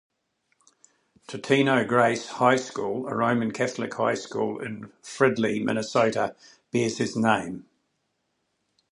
Totino-Grace High School, a Roman Catholic high school in Fridley, Minnesota, bears his name.